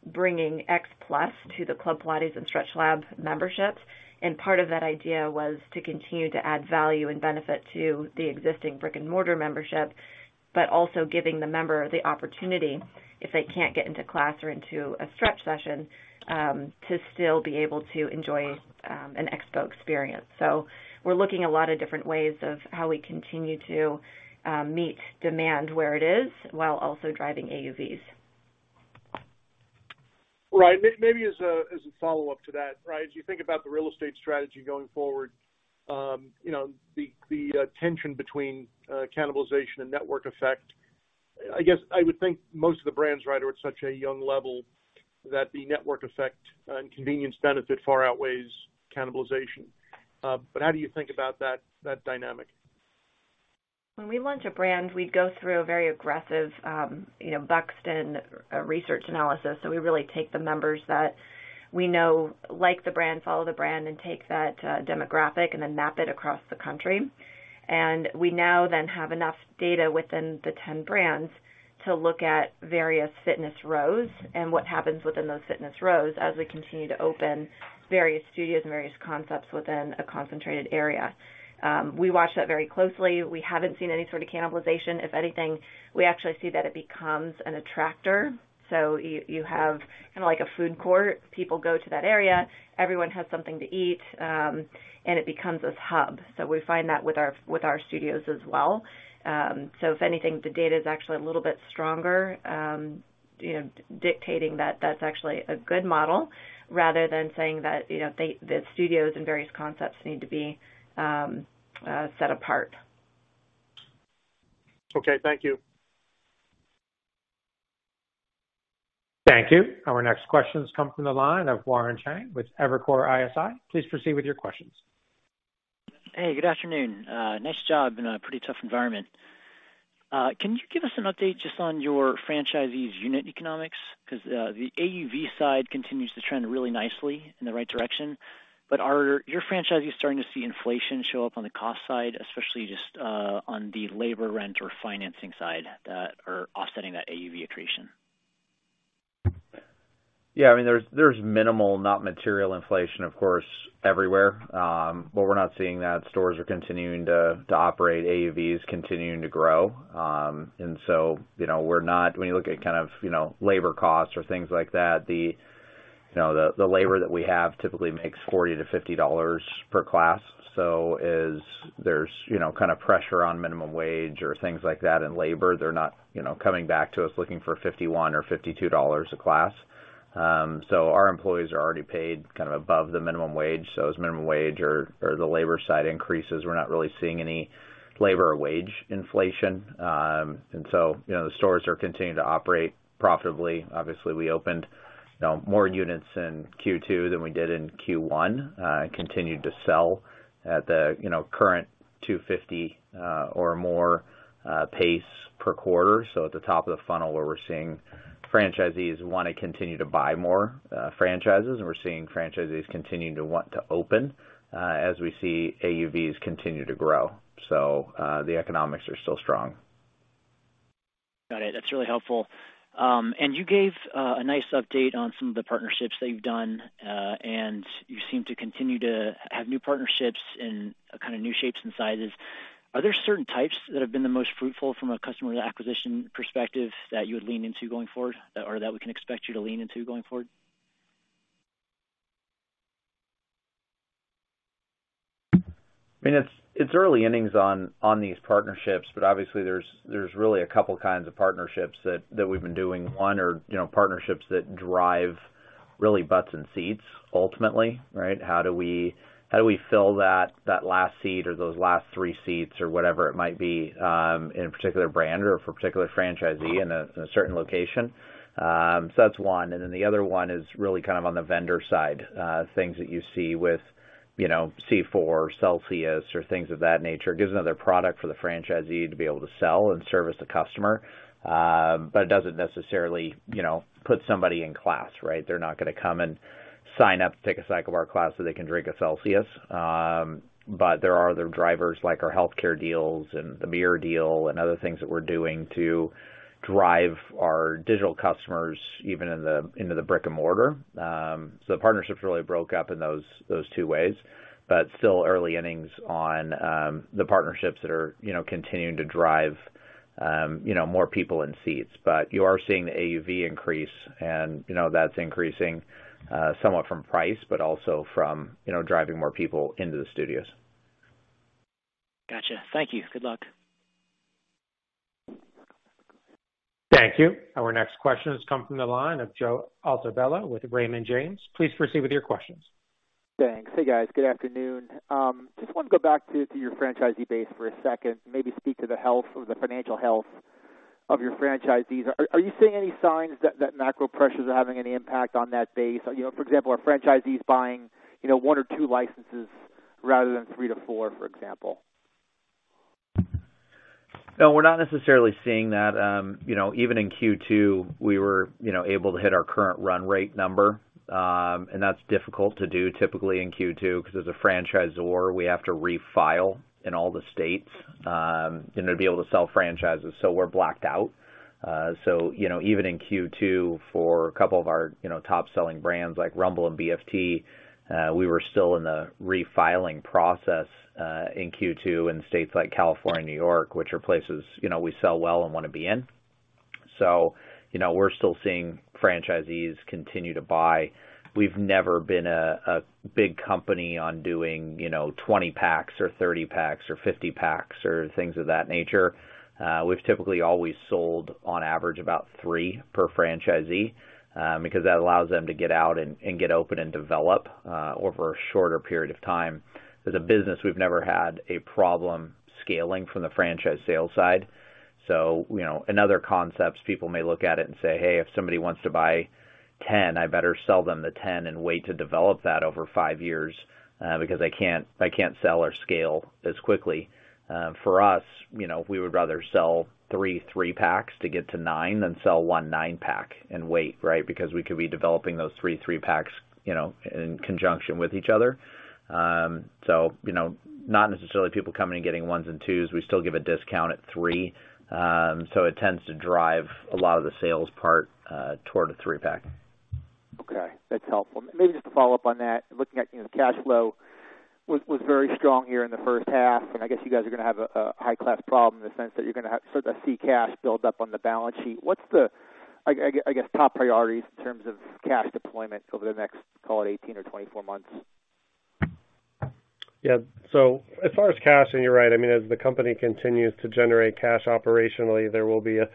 bringing XPLUS to the Club Pilates and StretchLab memberships, and part of that idea was to continue to add value and benefit to the existing brick-and-mortar membership, but also giving the member the opportunity, if they can't get into class or into a stretch session, to still be able to enjoy an XPO experience. We're looking at a lot of different ways of how we continue to meet demand where it is while also driving AUVs. Right. Maybe as a follow-up to that, right? As you think about the real estate strategy going forward, you know, the tension between cannibalization and network effect, I guess I would think most of the brands, right, are at such a young level that the network effect and convenience benefit far outweighs cannibalization. But how do you think about that dynamic? When we launch a brand, we go through a very aggressive, Buxton, research analysis. We really take the members that we know like the brand, follow the brand, and take that, demographic, and then map it across the country. We now then have enough data within the 10 brands to look at various fitness rows and what happens within those fitness rows as we continue to open various studios and various concepts within a concentrated area. We watch that very closely. We haven't seen any sort of cannibalization. If anything, we actually see that it becomes an attractor. You have kinda liked a food court. People go to that area, everyone has something to eat, and it becomes this hub. We find that with our studios as well. If anything, the data is actually a little bit stronger, you know, dictating that that's actually a good model rather than saying that, you know, the studios and various concepts need to be set apart. Okay. Thank you. Thank you. Our next question comes from the line of Warren Cheng with Evercore ISI. Please proceed with your questions. Hey, good afternoon. Nice job in a pretty tough environment. Can you give us an update just on your franchisee's unit economics? 'Cause the AUV side continues to trend really nicely in the right direction, but are your franchisees starting to see inflation show up on the cost side, especially just on the labor rent or financing side that are offsetting that AUV attrition? Yeah, I mean, there's minimal, not material inflation, of course, everywhere. We're not seeing that stores are continuing to operate. AUV is continuing to grow. You know, when you look at kind of, you know, labor costs or things like that, the labor that we have typically makes $40-$50 per class. There's, you know, kind of pressure on minimum wage or things like that in labor. They're not, you know, coming back to us looking for $51 or $52 a class. Our employees are already paid kind of above the minimum wage. As minimum wage or the labor side increases, we're not really seeing any labor or wage inflation. You know, the stores are continuing to operate profitably. Obviously, we opened more units in Q2 than we did in Q1 and continued to sell at the, you know, current 250 or more pace per quarter. At the top of the funnel where we're seeing franchisees wanna continue to buy more franchises, and we're seeing franchisees continuing to want to open as we see AUVs continue to grow. The economics are still strong. Got it. That's really helpful. You gave a nice update on some of the partnerships that you've done, and you seem to continue to have new partnerships in a kinda new shapes and sizes. Are there certain types that have been the most fruitful from a customer acquisition perspective that you would lean into going forward or that we can expect you to lean into going forward? I mean, it's early innings on these partnerships, but obviously there's really a couple kinds of partnerships that we've been doing. One are, you know, partnerships that drive really butts in seats ultimately, right? How do we fill that last seat or those last three seats or whatever it might be, in a particular brand or for a particular franchisee in a certain location? That's one. Then the other one is really kind of on the vendor side, things that you see with, you know, C4, Celsius or things of that nature. Gives another product for the franchisee to be able to sell and service the customer, but it doesn't necessarily, you know, put somebody in class, right? They're not gonna come and sign up to take a CycleBar class, so they can drink a Celsius. There are other drivers like our healthcare deals and the beer deal and other things that we're doing to drive our digital customers into the brick-and-mortar. The partnerships really break out in those two ways, but still early innings on the partnerships that are, you know, continuing to drive, you know, more people in seats. You are seeing the AUV increase and, you know, that's increasing somewhat from price, but also from, you know, driving more people into the studios. Gotcha. Thank you. Good luck. Thank you. Our next question has come from the line of Joe Altobello with Raymond James. Please proceed with your questions. Thanks. Hey, guys. Good afternoon. Just want to go back to your franchisee base for a second, maybe speak to the health or the financial health of your franchisees. Are you seeing any signs that macro pressures are having any impact on that base? You know, for example, are franchisees buying, you know, 1 or 2 licenses rather than 3-4, for example? No, we're not necessarily seeing that. You know, even in Q2, we were, you know, able to hit our current run rate number. That's difficult to do typically in Q2 because as a franchisor, we have to refile in all the states in order to be able to sell franchises. We're blacked out. You know, even in Q2 for a couple of our, you know, top-selling brands like Rumble and BFT, we were still in the refiling process in Q2 in states like California and New York, which are places, you know, we sell well and wanna be in. You know, we're still seeing franchisees continue to buy. We've never been a big company on doing, you know, 20 packs or 30 packs or 50 packs or things of that nature. We've typically always sold on average about 3 per franchisee, because that allows them to get out and get open and develop over a shorter period of time. As a business, we've never had a problem scaling from the franchise sales side. You know, in other concepts, people may look at it and say, "Hey, if somebody wants to buy 10, I better sell them the 10 and wait to develop that over 5 years, because I can't sell or scale as quickly." For us, you know, we would rather sell 3 3-packs to get to 9 than sell one 9-pack and wait, right? Because we could be developing those 3 3-packs, you know, in conjunction with each other. You know, not necessarily people coming and getting ones and twos. We still give a discount at three, so it tends to drive a lot of the sales part, toward a three-pack. Okay, that's helpful. Maybe just to follow up on that, looking at, you know, cash flow was very strong here in the first half, and I guess you guys are gonna have a high-class problem in the sense that you're gonna have sort of see cash build up on the balance sheet. What's the, I guess, top priorities in terms of cash deployment over the next, call it 18 or 24 months? Yeah. As far as cash, and you're right, I mean, as the company continues to generate cash operationally, there will be a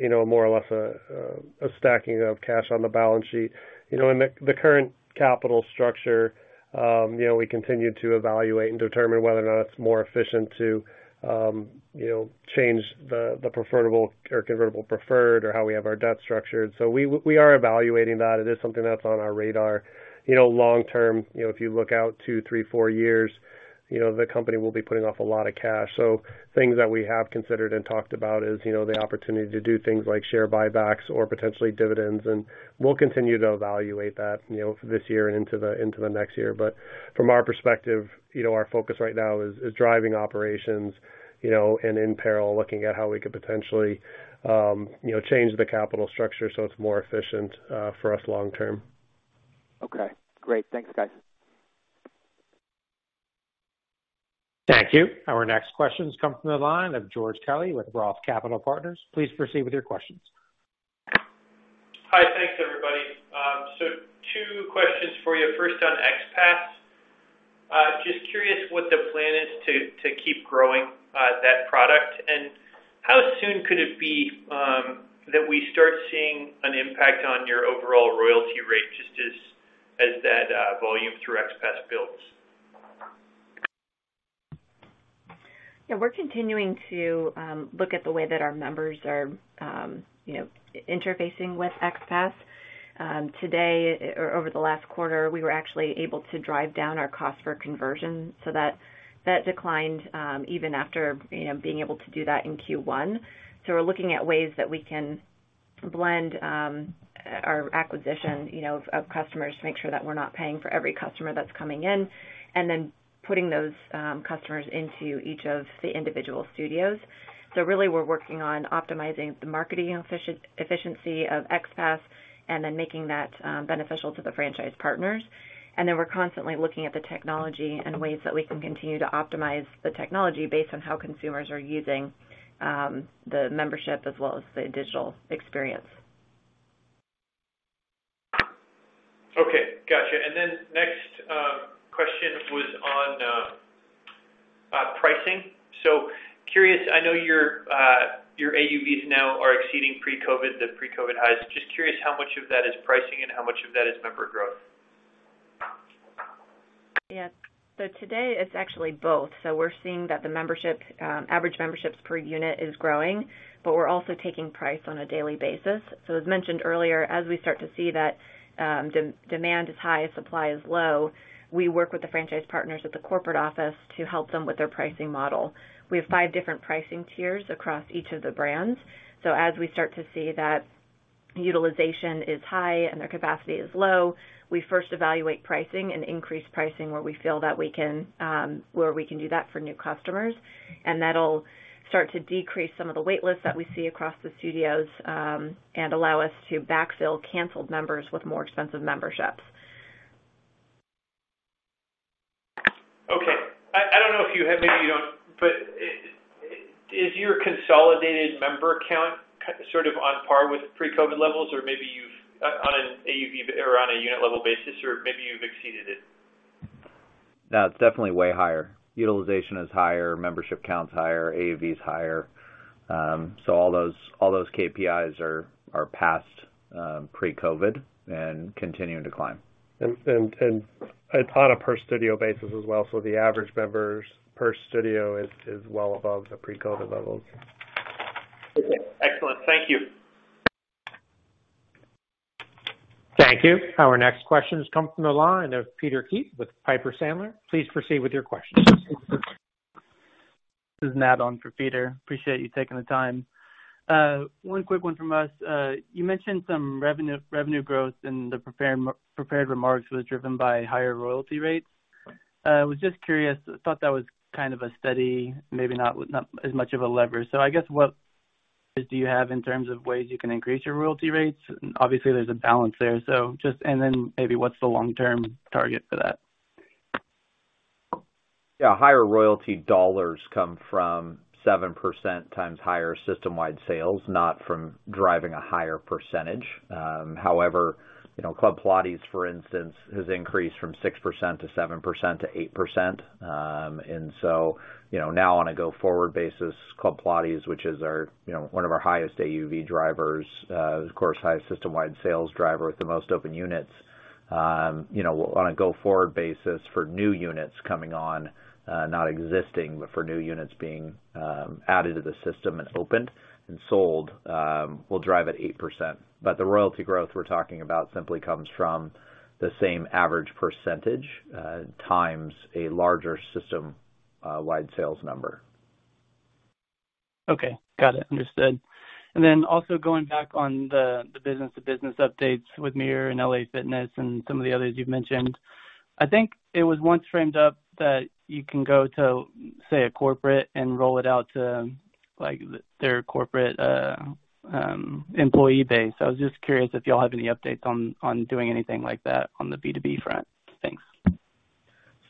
you know more or less a stacking of cash on the balance sheet. You know, in the current capital structure, you know, we continue to evaluate and determine whether or not it's more efficient to you know change the preferred or convertible preferred or how we have our debt structured. We are evaluating that. It is something that's on our radar. You know, long term, you know, if you look out two, three, four years, you know, the company will be throwing off a lot of cash. Things that we have considered and talked about is, you know, the opportunity to do things like share buybacks or potentially dividends, and we'll continue to evaluate that, you know, this year and into the next year. But from our perspective, you know, our focus right now is driving operations, you know, and in parallel, looking at how we could potentially, you know, change the capital structure so it's more efficient for us long term. Okay, great. Thanks, guys. Thank you. Our next question comes from the line of George Kelly with ROTH Capital Partners. Please proceed with your questions. Hi. Thanks, everybody. Two questions for you. First on XPASS. Just curious what the plan is to keep growing that product, and how soon could it be that we start seeing an impact on your overall royalty rate just as that volume through XPASS builds? Yeah. We're continuing to look at the way that our members are, you know, interfacing with XPASS. Today or over the last quarter, we were actually able to drive down our cost for conversion, so that declined, even after, you know, being able to do that in Q1. We're looking at ways that we can blend our acquisition, you know, of customers to make sure that we're not paying for every customer that's coming in and then putting those customers into each of the individual studios. Really, we're working on optimizing the marketing efficiency of XPASS and then making that beneficial to the franchise partners. Then we're constantly looking at the technology and ways that we can continue to optimize the technology based on how consumers are using the membership as well as the digital experience. Okay. Gotcha. Next question was on pricing. Curious, I know your AUVs now are exceeding pre-COVID, the pre-COVID highs. Just curious how much of that is pricing and how much of that is member growth. Yeah. Today it's actually both. We're seeing that the membership average memberships per unit is growing, but we're also taking price on a daily basis. As mentioned earlier, as we start to see that demand is high, supply is low, we work with the franchise partners at the corporate office to help them with their pricing model. We have five different pricing tiers across each of the brands. As we start to see that utilization is high and their capacity is low, we first evaluate pricing and increase pricing where we feel that we can, where we can do that for new customers. That'll start to decrease some of the wait lists that we see across the studios and allow us to backfill canceled members with more expensive memberships. Okay. I don't know if you have, maybe you don't, but is your consolidated member count sort of on par with pre-COVID levels? Or maybe you've on an AUV or on a unit level basis, or maybe you've exceeded it. No, it's definitely way higher. Utilization is higher, membership count's higher, AUV's higher. All those KPIs are past pre-COVID and continuing to climb. on a per studio basis as well. The average members per studio is well above the pre-COVID levels. Okay. Excellent. Thank you. Thank you. Our next question comes from the line of Peter Keith with Piper Sandler. Please proceed with your question. This is an Matt on for Peter. Appreciate you taking the time. One quick one from us. You mentioned some revenue growth in the prepared remarks was driven by higher royalty rates. I was just curious. I thought that was kind of a steady, maybe not as much of a lever. I guess, what do you have in terms of ways you can increase your royalty rates? And obviously, there's a balance there. Just and then maybe what's the long-term target for that? Yeah, higher royalty dollars come from 7% times higher system-wide sales, not from driving a higher percentage. However, you know, Club Pilates, for instance, has increased from 6% to 7% to 8%. You know, now on a go-forward basis, Club Pilates, which is our, you know, one of our highest AUV drivers, of course, highest system-wide sales driver with the most open units, you know, on a go-forward basis for new units coming on, not existing, but for new units being added to the system and opened and sold, will drive at 8%. But the royalty growth we're talking about simply comes from the same average percentage, times a larger system-wide sales number. Okay. Got it. Understood. Also going back on the business-to-business updates with Mirror and LA Fitness and some of the others you've mentioned. I think it was once framed up that you can go to, say, a corporate and roll it out to, like, their corporate employee base. I was just curious if y'all have any updates on doing anything like that on the B2B front. Thanks.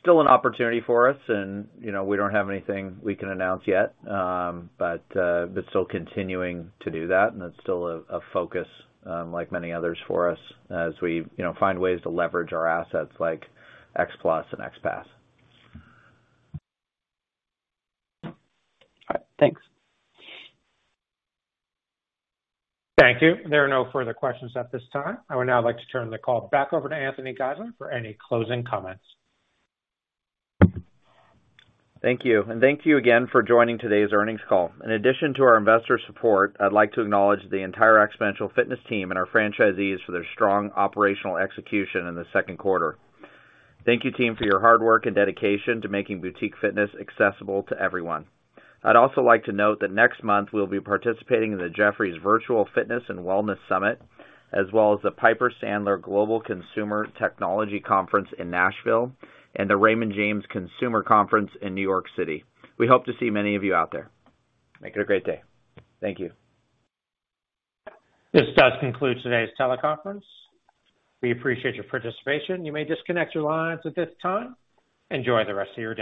Still an opportunity for us and, you know, we don't have anything we can announce yet. But still continuing to do that, and it's still a focus, like many others for us as we, you know, find ways to leverage our assets like XPLUS and XPASS. All right. Thanks. Thank you. There are no further questions at this time. I would now like to turn the call back over to Anthony Geisler for any closing comments. Thank you. Thank you again for joining today's earnings call. In addition to our investor support, I'd like to acknowledge the entire Xponential Fitness team and our franchisees for their strong operational execution in the second quarter. Thank you, team, for your hard work and dedication to making boutique fitness accessible to everyone. I'd also like to note that next month we'll be participating in the Jefferies Virtual Fitness & Wellness Summit, as well as the Piper Sandler Global Technology Conference in Nashville and the Raymond James TMT & Consumer Conference in New York City. We hope to see many of you out there. Make it a great day. Thank you. This does conclude today's teleconference. We appreciate your participation. You may disconnect your lines at this time. Enjoy the rest of your day.